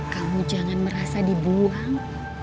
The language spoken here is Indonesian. kamu jangan merasa dibuang